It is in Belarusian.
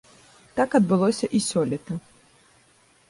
Так адбылося і сёлета.